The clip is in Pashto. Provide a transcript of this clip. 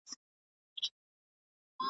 مشاور او لارښود په مانا کي سره نژدي دي.